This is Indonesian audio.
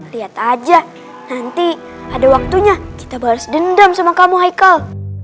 lihat aja nanti ada waktunya kita bales dendam sama kamu hai kal